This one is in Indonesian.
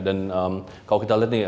dan kalau kita lihat nih